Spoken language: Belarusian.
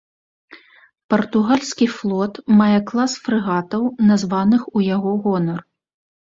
Партугальскі флот мае клас фрэгатаў, названых у яго гонар.